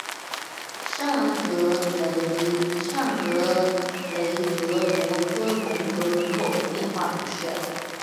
圣昂德雷德罗科龙格人口变化图示